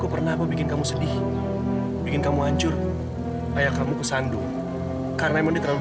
barang sedetik pun kamu harus ada di kamar kamu